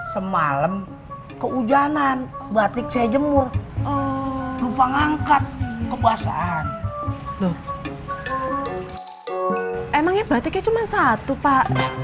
semalam kehujanan batik saya jemur lupa ngangkat kekuasaan loh emangnya batiknya cuma satu pak